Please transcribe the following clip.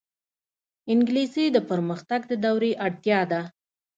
انګلیسي د پرمختګ د دورې اړتیا ده